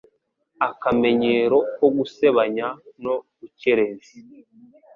Akamenyero ko gusebanya no gukerensa